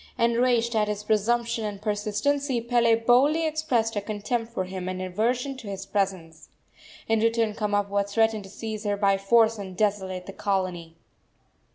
Enraged at his presumption and persistency, Pele boldly expressed her contempt for him and aversion to his presence. In return Kamapuaa threatened to seize her by force and desolate the colony.